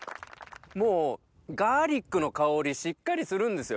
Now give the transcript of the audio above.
もうガーリックの香りしっかりするんですよ。